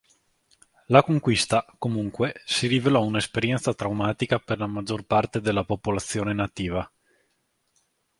La conquista, comunque, si rivelò un'esperienza traumatica per la maggior parte della popolazione nativa.